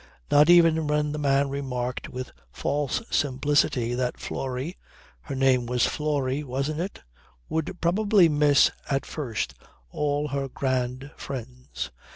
Not even when the man remarked with false simplicity that Florrie her name was Florrie wasn't it? would probably miss at first all her grand friends.